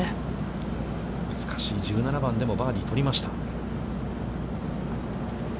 難しい１７番でも、バーディーを取りました。